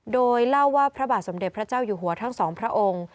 โดยเล่าว่าพระบาทสมเด็จพระเจ้าอยู่หัวทั้งสองพระองค์